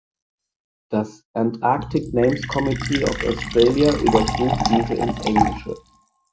Das Antarctic Names Committee of Australia übertrug diese ins Englische.